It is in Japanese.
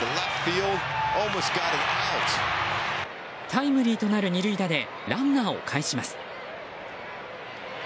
タイムリーとなる２塁打でランナーをかえします。